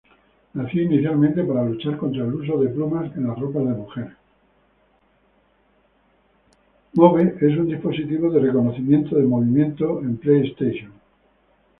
Move es un dispositivo de reconocimiento de movimiento en Playstation.